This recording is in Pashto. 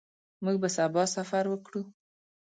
موږ به سبا سفر وکړو.